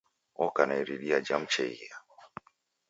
Oka na iridia ja mcheghia.